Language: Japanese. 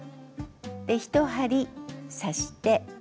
で１針刺して。